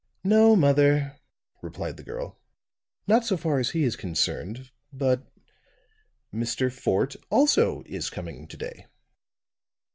"No, mother," replied the girl; "not so far as he is concerned. But Mr. Fort also is coming to day."